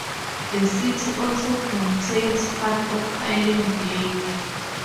The city also contains part of Highland Lake.